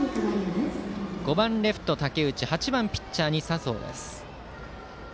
５番レフト、武内８番ピッチャー、佐宗です。